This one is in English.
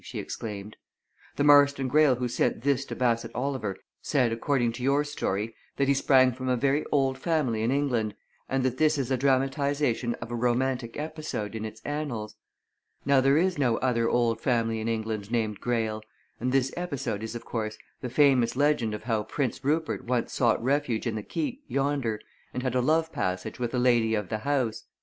she exclaimed. "The Marston Greyle who sent this to Bassett Oliver said according to your story that he sprang from a very old family in England, and that this is a dramatization of a romantic episode in its annals. Now there is no other old family in England named Greyle, and this episode is of course, the famous legend of how Prince Rupert once sought refuge in the Keep yonder and had a love passage with a lady of the house.